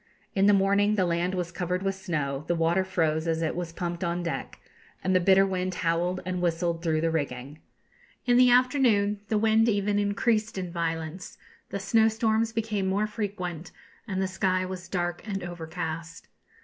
In the morning the land was covered with snow, the water froze as it was pumped on deck, and the bitter wind howled and whistled through the rigging. In the afternoon the wind even increased in violence, the snowstorms became more frequent, and the sky was dark and overcast.